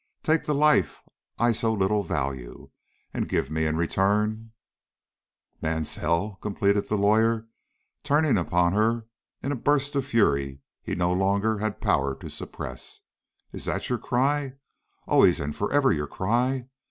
take the life I so little value, and give me in return " "Mansell's?" completed the lawyer, turning upon her in a burst of fury he no longer had power to suppress. "Is that your cry always and forever your cry?